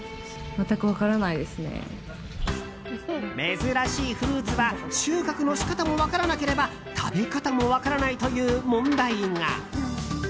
珍しいフルーツは収穫の仕方も分からなければ食べ方も分からないという問題が。